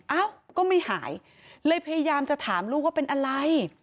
เอ้าก็ไม่หายเลยพยายามจะถามลูกว่าเป็นอะไร